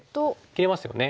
切れますよね。